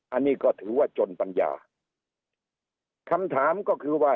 อันนี้ก็ถือว่าจนปัญญาคำถามก็คือว่า